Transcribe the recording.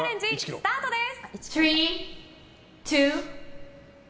スタートです。